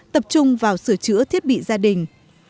tập trung vào sửa chữa thiết bị gia đình